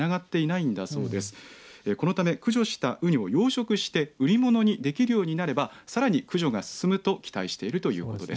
このため駆除した、うにの養殖をして売りものにできるようになればさらに駆除が進むと期待しているということです。